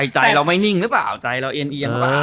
ใจเราไม่นิ่งหรือเปล่าใจเราเอ็นเอียงหรือเปล่า